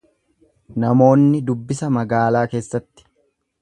Namoonni dubbisa magaalaa keessatti.